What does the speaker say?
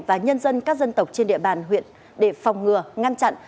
và nhân dân các dân tộc trên địa bàn huyện để phòng ngừa ngăn chặn